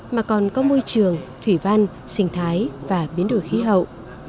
mà còn có môi trường thủy văn sinh thái và biến đổi khí hậu